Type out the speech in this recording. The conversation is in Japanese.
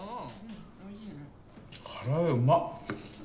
唐揚げうまっ！